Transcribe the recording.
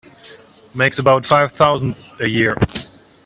Makes about five thousand a year.